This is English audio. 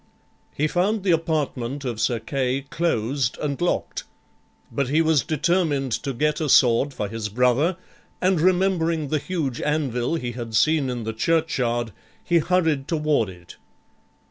He found the apartment of Sir Kay closed and locked; but he was determined to get a sword for his brother, and remembering the huge anvil he had seen in the churchyard, he hurried toward it.